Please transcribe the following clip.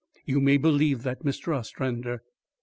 "You may believe that, Mr. Ostrander."